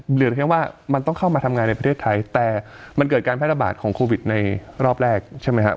เหลือเพียงว่ามันต้องเข้ามาทำงานในประเทศไทยแต่มันเกิดการแพร่ระบาดของโควิดในรอบแรกใช่ไหมครับ